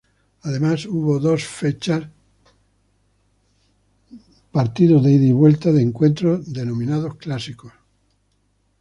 Además, hubo dos fechas, partidos de ida y vuelta, de encuentros denominados clásicos.